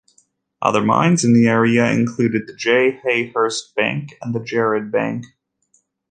Other mines in the area included the J. Hayhurst Bank and the Jared Bank.